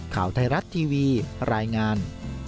ข่าวไทยรัฐทีวีรายงาน